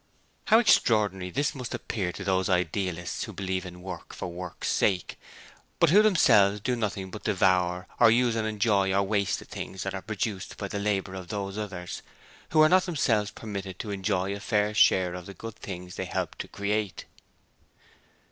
How extraordinary this must appear to those idealists who believe in 'work for work's sake', but who themselves do nothing but devour or use and enjoy or waste the things that are produced by the labour of those others who are not themselves permitted to enjoy a fair share of the good things they help to create?